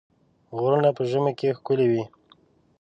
غرونه په ژمي کې ښکلي وي.